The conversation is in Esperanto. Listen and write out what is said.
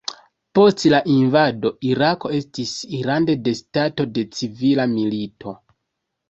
Post la invado, Irako estis rande de stato de civila milito.